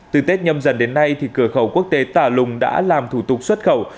từ tết nhâm dần đến nay cửa khẩu quốc tế tà lùng đã làm thủ tục xuất khẩu